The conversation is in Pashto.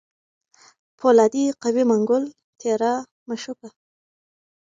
پولادي قوي منګول تېره مشوکه